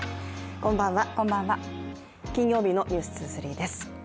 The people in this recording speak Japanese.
こんばんは、金曜日の「ｎｅｗｓ２３」です。